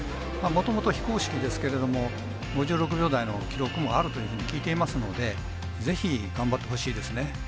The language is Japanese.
もともと非公式ですけれども５６秒台の記録もあるというふうに聞いていますので是非頑張ってほしいですね。